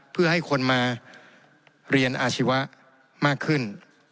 เพื่อให้คนมาเรียนอาชีวะมากขึ้น